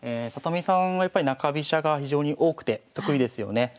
里見さんはやっぱり中飛車が非常に多くて得意ですよね。